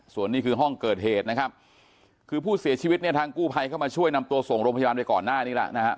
ส่วนนี้คือห้องเกิดเหตุนะครับคือผู้เสียชีวิตเนี่ยทางกู้ภัยเข้ามาช่วยนำตัวส่งโรงพยาบาลไปก่อนหน้านี้แล้วนะฮะ